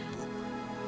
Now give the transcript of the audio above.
terima kasih pak bu